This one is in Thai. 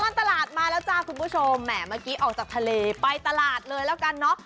ตลาดมาแล้วจ้าคุณผู้ชมแหมเมื่อกี้ออกจากทะเลไปตลาดเลยแล้วกันเนอะ